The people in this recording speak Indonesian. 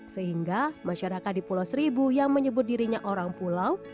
sehingga masyarakat di pulau seribu yang menyebut dirinya orang pulau